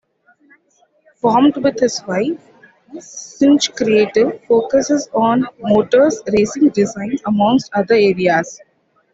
Formed with his wife, "Sinch Creative" focuses on motor racing designs amongst other areas.